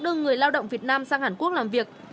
đưa người lao động việt nam sang hàn quốc làm việc